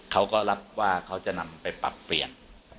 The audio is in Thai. เขาก็รับว่าเขาจะนำไปปรับเปลี่ยน